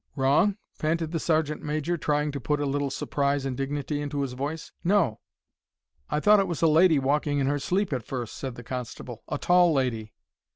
"Wrong?" panted the sergeant major, trying to put a little surprise and dignity into his voice. "No." "I thought it was a lady walking in her sleep at first," said the constable. "A tall lady."